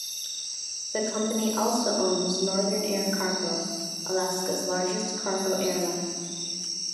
The company also owns Northern Air Cargo, Alaska's largest cargo airline.